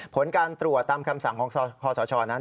ผลการตรวจตามคำสั่งของคศนั้น